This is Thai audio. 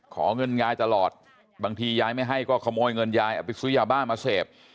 ขอเงินยายตลอดบางทียายไม่ให้ก็ขโมยเงินยายเอาไปซื้อยาบ้ามาเสพ